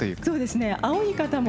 青い方も。